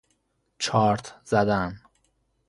چارت زدن